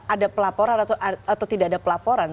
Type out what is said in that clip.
ada pelaporan atau tidak ada pelaporan